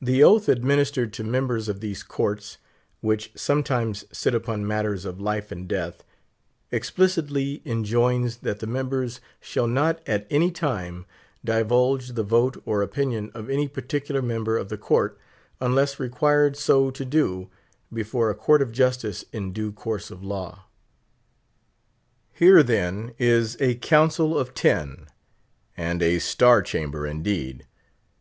The oath administered to members of these courts—which sometimes sit upon matters of life and death—explicitly enjoins that the members shall not "at any time divulge the vote or opinion of any particular member of the court, unless required so to do before a court of justice in due course of law." Here, then, is a Council of Ten and a Star Chamber indeed!